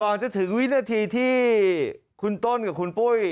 จะถึงวินาทีที่คุณต้นกับคุณปุ้ย